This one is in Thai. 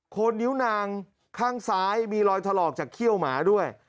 คนนิ้วนางข้างซ้ายมีรอยถลอกจากเขี้ยวหมาด้วย